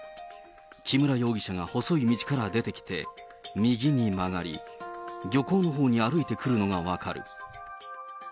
木村容疑者が細い道から出てきて、右に曲がり、漁港のほうに歩いてくるのが分かる。